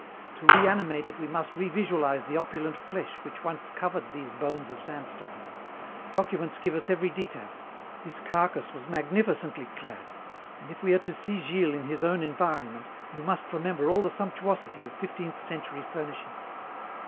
To reanimate it we must revisualize the opulent flesh which once covered these bones of sandstone. Documents give us every detail. This carcass was magnificently clad, and if we are to see Gilles in his own environment, we must remember all the sumptuosity of fifteenth century furnishing.